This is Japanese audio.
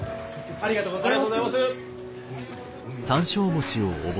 ありがとうございます！